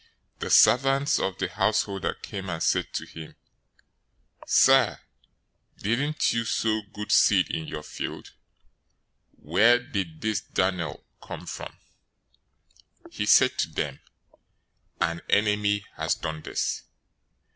013:027 The servants of the householder came and said to him, 'Sir, didn't you sow good seed in your field? Where did this darnel come from?' 013:028 "He said to them, 'An enemy has done this.'